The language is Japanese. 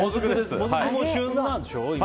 もずくも今、旬なんでしょ。